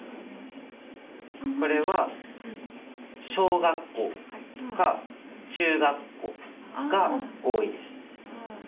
これは小学校とか中学校が多いです。